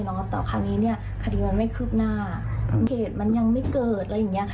แต่ว่าคราวนี้คดีมันไม่คืบหน้าเหตุมันยังไม่เกิด